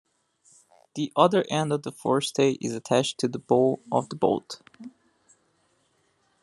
The other end of the forestay is attached to the bow of the boat.